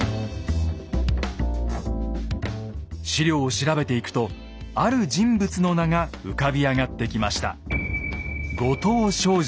史料を調べていくとある人物の名が浮かび上がってきました。